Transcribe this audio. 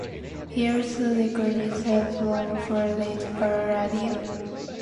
He also recorded a promo for Red Bar Radio.